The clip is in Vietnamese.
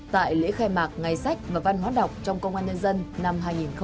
tại lễ khai mạc ngày sách và văn hóa đọc trong công an nhân dân năm hai nghìn hai mươi